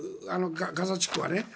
ガザ地区はね。